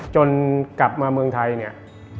จนกลับมาเมืองไทย